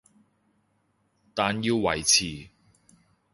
但要維持